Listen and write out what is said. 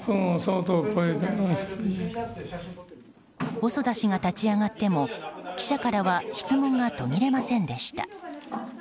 細田氏が立ち上がっても記者からは質問が途切れませんでした。